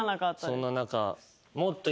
そんな中。